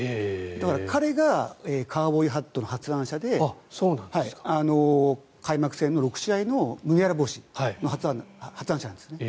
彼がカウボーイハットの発案者で開幕戦の６試合の麦わら帽子の発案者なんですね。